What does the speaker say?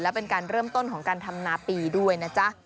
และเป็นการเริ่มต้นของการทำนาปีด้วยนะจ๊ะ